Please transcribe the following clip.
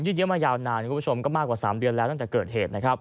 ยืนเยอะมายาวนานก็มากกว่า๓เดือนแล้วตั้งแต่เกิดเหตุ